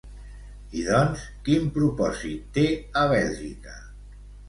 I doncs, quin propòsit té a Bèlgica?